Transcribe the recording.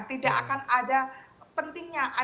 tidak akan ada pentingnya